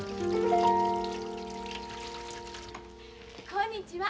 こんにちは。